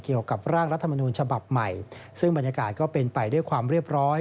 เกี่ยวกับร่างรัฐมนูญฉบับใหม่ซึ่งบรรยากาศก็เป็นไปด้วยความเรียบร้อย